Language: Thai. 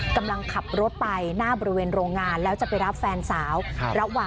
กำลังขับรถไปหน้าบริเวณโรงงานแล้วจะไปรับแฟนสาว